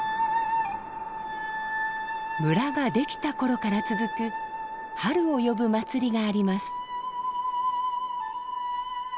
村ができた頃から続く春を呼ぶ祭りがあります。